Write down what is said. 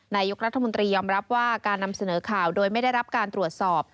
นายกรัฐมนตรียอมรับว่าการนำเสนอข่าวโดยไม่ได้รับการตรวจสอบ